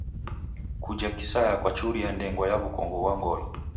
Kuja kisaya kwachuria ndengwa ya w'ukongo ghwa ngolo.